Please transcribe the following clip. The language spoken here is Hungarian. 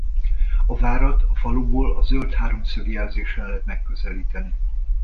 A várat a faluból a zöld háromszög jelzésen lehet megközelíteni.